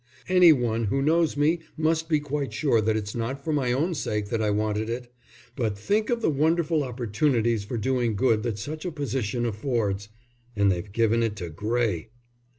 Any one who knows me must be quite sure that it's not for my own sake that I wanted it; but think of the wonderful opportunities for doing good that such a position affords! And they've given it to Gray!"